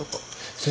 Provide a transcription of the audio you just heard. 先生